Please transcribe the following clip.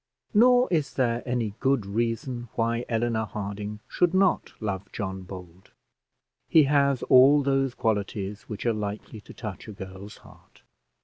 Nor is there any good reason why Eleanor Harding should not love John Bold. He has all those qualities which are likely to touch a girl's heart.